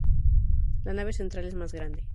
La nave central es más grande.